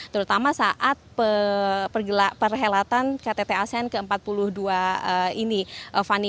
terutama saat perhelatan ktt asean ke empat puluh dua ini fani